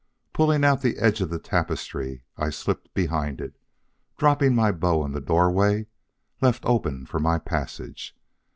Pulling out the edge of the tapestry, I slipped behind it, dropping my bow in the doorway left open for my passage.